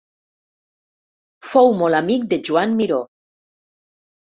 Fou molt amic de Joan Miró.